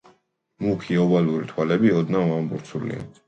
მუქი, ოვალური თვალები ოდნავ ამობურცულია.